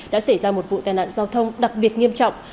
đã xảy ra một vụ tai nạn giao thông đặc biệt nghiêm trọng